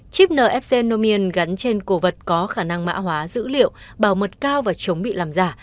chip nfc nomien gắn trên cổ vật có khả năng mã hóa dữ liệu bảo mật cao và chống bị làm giả